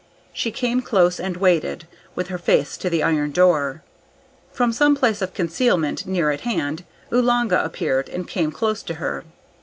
She came close and waited, with her face to the iron door. From some place of concealment near at hand Oolanga appeared, and came close to her.